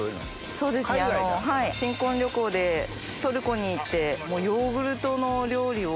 そうですね新婚旅行でトルコに行ってもうヨーグルトのお料理を。